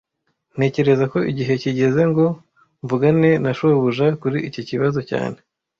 Ntekereza ko igihe kigeze ngo mvugane na shobuja kuri iki kibazo cyane